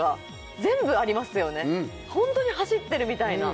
ホントに走ってるみたいな。